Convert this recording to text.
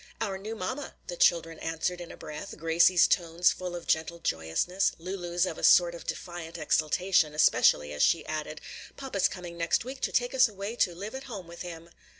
"Our new mamma," the children answered in a breath, Gracie's tones full of gentle joyousness, Lulu's of a sort of defiant exultation, especially as she added, "Papa's coming next week to take us away to live at home with him."